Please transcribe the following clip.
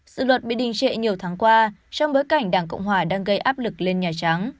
dự luật bị đình trệ nhiều tháng qua trong bối cảnh đảng cộng hòa đang gây áp lực lên nhà trắng